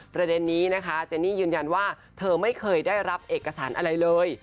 ประเด็นนี้นะคะเจนี่ยืนยันว่าเธอไม่เคยได้รับเอกสารอะไรเลย